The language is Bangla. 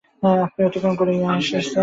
আপনি অতিক্রম করে এসেছেন।